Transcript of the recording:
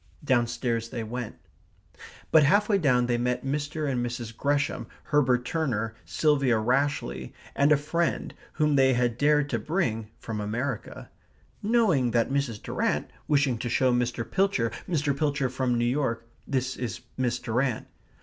Downstairs they went. But half way down they met Mr. and Mrs. Gresham, Herbert Turner, Sylvia Rashleigh, and a friend, whom they had dared to bring, from America, "knowing that Mrs. Durrant wishing to show Mr. Pilcher. Mr. Pilcher from New York This is Miss Durrant."